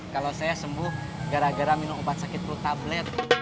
kalau saya sembuh gara gara minum obat sakit flu tablet